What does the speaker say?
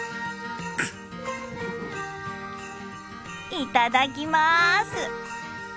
いただきます！